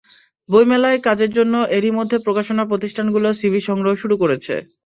বইমেলায় কাজের জন্য এরই মধ্যে প্রকাশনা প্রতিষ্ঠানগুলো সিভি সংগ্রহ শুরু করেছে।